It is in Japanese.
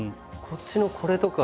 こっちのこれとか。